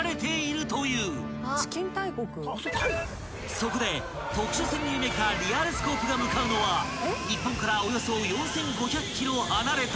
［そこで特殊潜入メカリアルスコープが向かうのは日本からおよそ４，５００ｋｍ離れた］